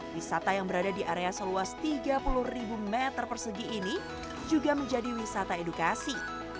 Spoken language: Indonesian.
wisata yang berada di area seluas tiga puluh ribu meter persegi ini juga menjadi wisata edukasi